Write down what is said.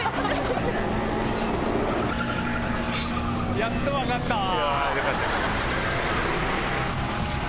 やっと分かったわ。